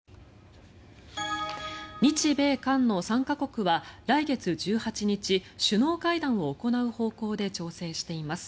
日米韓の３か国は、来月１８日首脳会談を行う方向で調整しています。